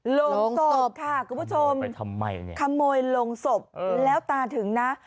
ลงศพค่ะคุณผู้ชมขโมยลงศพแล้วตาถึงนะ